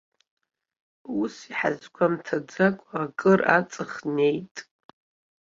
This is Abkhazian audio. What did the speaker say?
Ус иҳазгәамҭаӡакәа акыр аҵых неит.